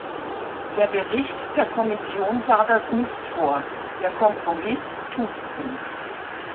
Der Bericht der Kommission sah das nicht vor, der Kompromiss tut dies.